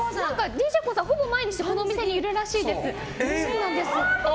ＤＪＫＯＯさん、ほぼ毎日このお店にいるらしいです。